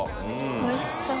おいしそう。